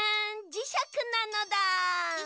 じしゃくなのだ。